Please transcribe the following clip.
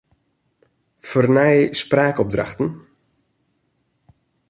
Fernij spraakopdrachten.